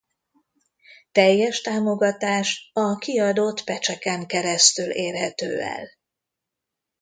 Teljes támogatás a kiadott patch-eken keresztül érhető el.